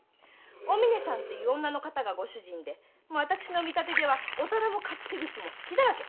“お峰さん”という女の方がご主人で私の見立てではお店も勝手口も隙だらけ！